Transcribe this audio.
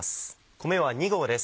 米は２合です。